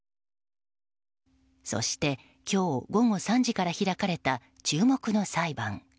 そして今日午後３時から開かれた注目の裁判。